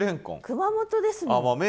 熊本ですもん。